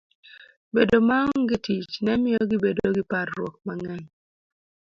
Bedo maonge tich ne miyo gibedo gi parruok mang'eny.